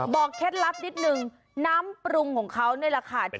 เคล็ดลับนิดนึงน้ำปรุงของเขานี่แหละค่ะ